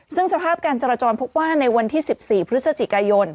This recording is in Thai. ซึ่งสภาพการจราจรพบว่าในวันที่๑๔พฤศจิกายน